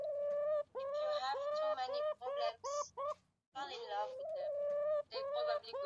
ulioongozwa na kiongozi wa kijeshi Jenerali Abdel Fattah al- Burhan